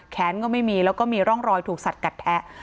แขนก็ไม่มีแล้วก็มีร่องรอยถูกสัดกัดแทะ